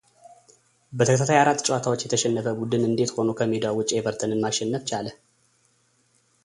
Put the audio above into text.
በተከታታይ አራት ጨዋታዎች የተሸነፈ ቡድን እንዴት ሆኖ ከሜዳው ውጪ ኤቨርተንን ማሸነፍ ቻለ?